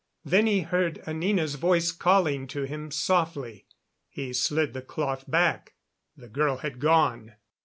Then he heard Anina's voice calling to him softly. He slid the cloth back; the girl had gone.